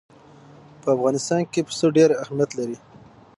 په افغانستان کې پسه ډېر اهمیت لري.